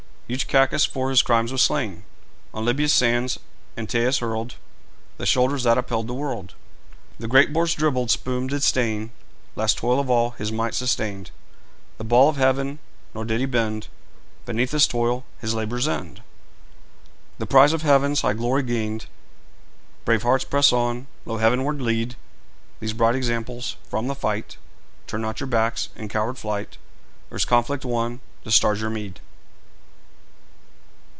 Huge Cacus for his crimes was slain; On Libya's sands Antæus hurled; The shoulders that upheld the world The great boar's dribbled spume did stain. Last toil of all his might sustained The ball of heaven, nor did he bend Beneath; this toil, his labour's end, The prize of heaven's high glory gained. Brave hearts, press on! Lo, heavenward lead These bright examples! From the fight Turn not your backs in coward flight; Earth's conflict won, the stars your meed!